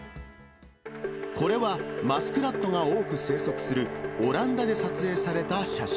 これはマスクラットが多く生息するオランダで撮影された写真。